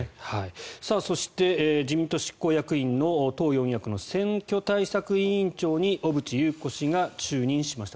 そして、自民党執行役員の党四役の選挙対策委員長に小渕優子氏が就任しました。